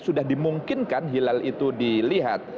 sudah dimungkinkan hilal itu dilihat